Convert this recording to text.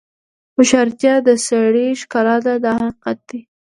هوښیارتیا د سړي ښکلا ده دا حقیقت دی.